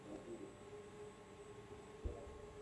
matangazo yanatumika sana kuwasilisha ujumbe kwenye jamii